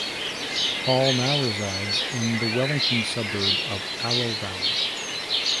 Paul now resides in the Wellington suburb of Aro Valley.